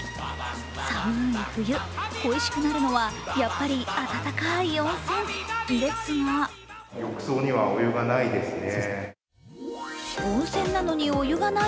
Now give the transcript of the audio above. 寒い冬、恋しくなるのはやっぱり温かい温泉ですが温泉なのにお湯がない？